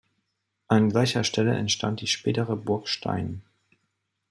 An gleicher Stelle entstand die spätere Burg Stein.